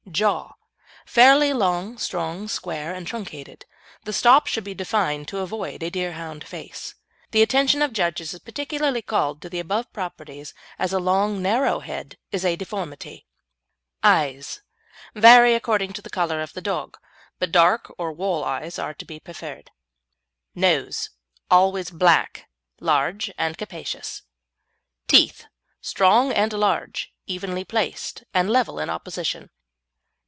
JAW Fairly long, strong, square and truncated; the stop should be defined to avoid a Deerhound face. The attention of judges is particularly called to the above properties, as a long, narrow head is a deformity. EYES Vary according to the colour of the dog, but dark or wall eyes are to be preferred. NOSE Always black, large, and capacious. TEETH Strong and large, evenly placed, and level in opposition.